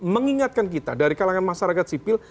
mengingatkan kita dari kalangan masyarakat sipil